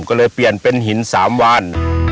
ก็เลยเปลี่ยนเป็นหิน๓วาน